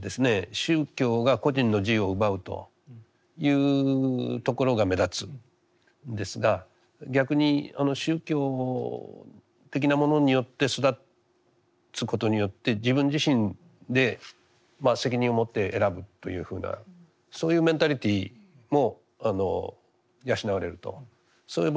宗教が個人の自由を奪うというところが目立つんですが逆に宗教的なものによって育つことによって自分自身で責任を持って選ぶというふうなそういうメンタリティーも養われるとそういう場合もある。